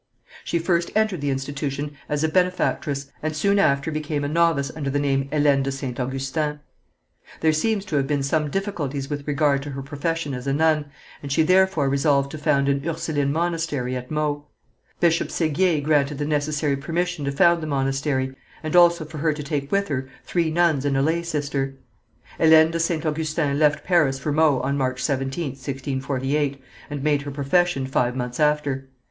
She first entered the institution as a benefactress, and soon after became a novice under the name of Hélène de St. Augustin. There seems to have been some difficulties with regard to her profession as a nun, and she therefore resolved to found an Ursuline monastery at Meaux. Bishop Séguier granted the necessary permission to found the monastery, and also for her to take with her three nuns and a lay sister. Hélène de St. Augustin left Paris for Meaux on March 17th, 1648, and made her profession five months after.